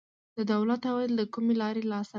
د دولت عواید له کومې لارې لاسته راځي؟